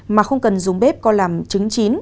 mà không cần dùng bếp coi làm trứng chín